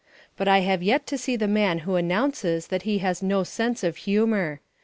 But I have yet to see the man who announces that he has no sense of humour.